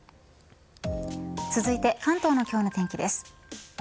続いて、関東の今日の天気です。